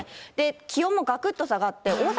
気温もがくっと下がって、大阪、